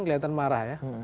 kelihatan marah ya